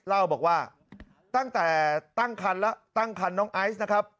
เล่าบอกว่าตั้งแต่ตั้งคันแล้วตั้งคันน้องไอซ์นะครับ